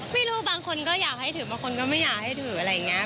ไม่รู้บางคนก็อยากให้ถือบางคนก็ไม่อยากให้ถืออะไรอย่างนี้